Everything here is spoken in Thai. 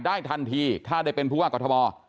ได้ทันทีถ้าได้เป็นผู้ว่ากรทม